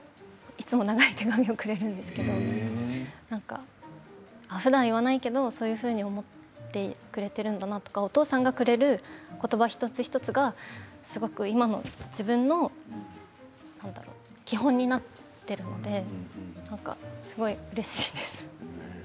いつも長い手紙をくれるんですけどなんか、ふだん言わないけどそういうふうに思ってくれているんだなとかお父さんがくれる言葉一つ一つがすごく今の自分の、なんだろう基本になっているのでなんかすごいうれしいです。